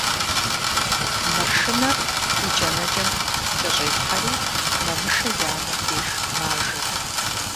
Маршынэр и джанэкӀэм кӀэщӀелъхьэри Мамышэ и анэм деж мажэ.